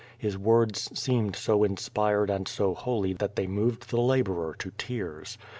His words seemed so inspired and so holy that they moved the laborer to tears.